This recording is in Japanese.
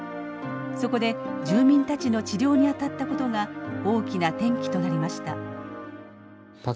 そこで住民たちの治療に当たったことが大きな転機となりました。